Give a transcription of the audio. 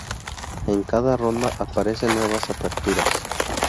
En cada ronda aparecen nuevas aperturas.